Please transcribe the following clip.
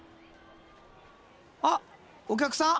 あっお客さん！